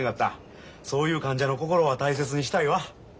そういう患者の心は大切にしたいわ。